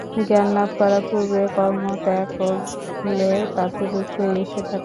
জ্ঞানলাভ করবার পূর্বে কর্মত্যাগ করলে তাতে দুঃখই এসে থাকে।